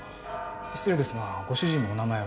失礼ですがご主人のお名前は？